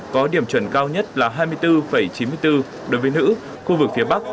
có điểm chuẩn cao nhất là hai mươi bốn chín mươi bốn đối với nữ khu vực phía bắc